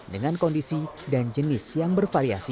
dengan kondisi dan jenis yang bervariasi